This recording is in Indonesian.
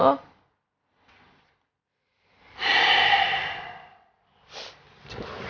bukan urusan lo